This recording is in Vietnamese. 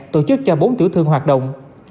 tổ chức cho bốn tiểu thương hoạt động